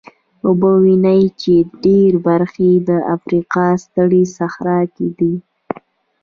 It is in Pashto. وبه وینئ چې ډېره برخه یې د افریقا سترې صحرا کې ده.